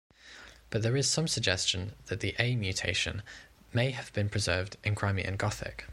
But there is some suggestion that "a"-mutation may have been preserved in Crimean Gothic.